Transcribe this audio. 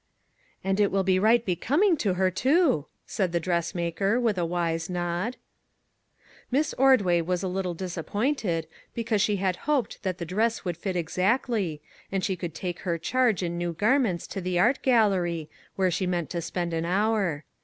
"" And it will be right becoming to her, too," said the dressmaker with a wise nod. Miss Ordway was a little disappointed, be cause she had hoped that the dress would fit exactly, and she could take her charge in new garments to the Art Gallery, where she meant to spend an hour.